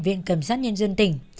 viện cẩm sát nhân dân tỉnh